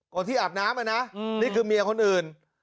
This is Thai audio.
ก่อนที่อาบน้ำนะนี่คือเมียคนอื่น